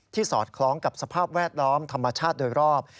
สอดคล้องกับสภาพแวดล้อมธรรมชาติโดยรอบ